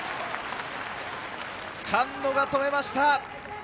菅野が止めました。